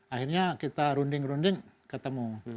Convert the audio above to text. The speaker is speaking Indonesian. akhirnya kita runding runding ketemu